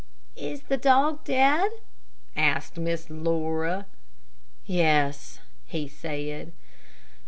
"Is the dog dead?" asked Miss Laura. "Yes," he said.